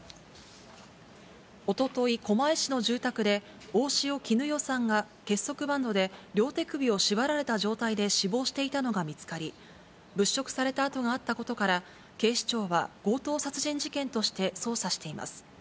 おととい、狛江市の住宅で大塩衣与さんが結束バンドで両手首を縛られた状態で死亡していたのが見つかり、物色された跡があったことから、警視庁は強盗殺人事件として捜査しています。